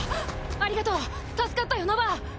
ありがとう助かったよノヴァ。